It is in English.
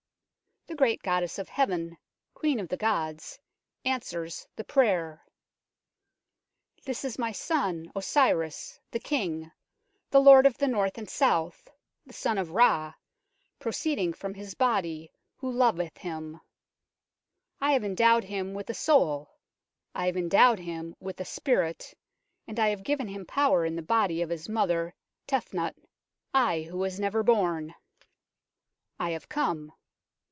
The great goddess of heaven, queen of the gods, answers the prayer :" This is my son Osiris, the King, the Lord of the North and South, the son of Ra, proceeding from his body, who loveth him. I have endowed him with a soul, I have endowed him with a spirit, and I have given him power in the body of his mother Tefnut, I who was never born. I have come.